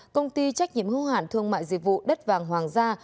công ty trách nhiệm hữu hạn thương mại dịch vụ đất vàng hoàng gia